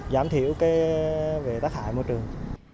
giảm thiểu cái về tác hại môi trường